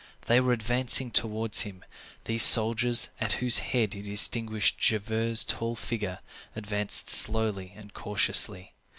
They were advancing towards him; these soldiers, at whose head he distinguished Javert's tall figure, advanced slowly and cautiously.